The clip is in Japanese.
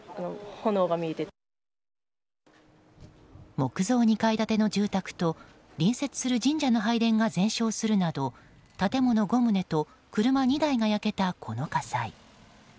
木造２階建ての住宅と隣接する神社の拝殿が全焼するなど建物５棟と車２台が焼けたこの火災。